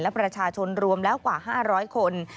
และประชาชนรวมแล้วกว่า๕๐๐คน